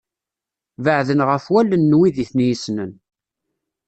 Beɛden ɣef wallen n wid i ten-yessnen.